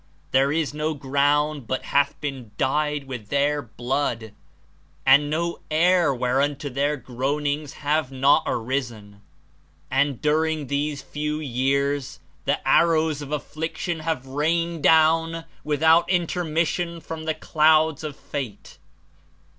There is no ground but hath been dyed with their blood and no air whereunto their groanings have not arisen ! And, during these 52 tew years, the arrows of affliction have rained down without intermission from the clouds of fate.